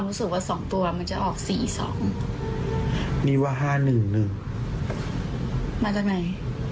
มาจากไหน